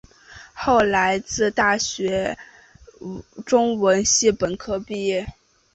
后来自大学中文系本科毕业。